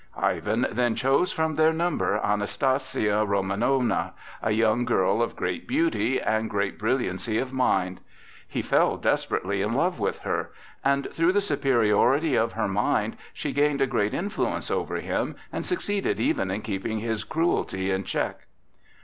Ivan then chose from their number Anastasia Romanowna, a young girl of great beauty and great brilliancy of mind. He fell desperately in love with her, and through the superiority of her mind she gained a great influence over him, and succeeded even in keeping his cruelty in check.